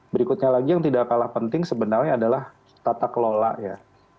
berikutnya lagi yang tidak kalah penting sebenarnya adalah tata kelola ya